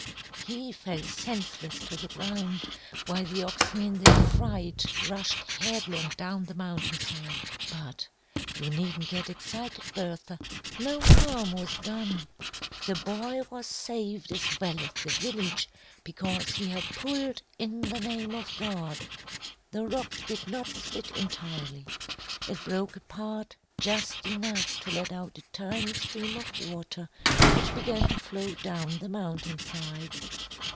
"He fell senseless to the ground, while the oxen in their fright rushed headlong down the mountainside. But you needn't get excited, Bertha, no harm was done. The boy was saved as well as the village, because he had pulled in the name of God. "The rock did not split entirely. It broke apart just enough to let out a tiny stream of water, which began to flow down the mountainside.